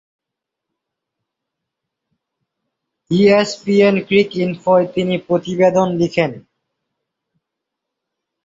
ইএসপিএনক্রিকইনফোয় তিনি প্রতিবেদন লিখেন।